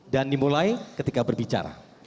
dan dimulai ketika berbicara